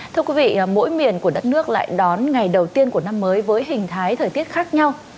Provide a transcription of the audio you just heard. thưa quý vị mỗi miền của đất nước lại đón ngày đầu tiên của năm mới với hình thái thời tiết khác nhau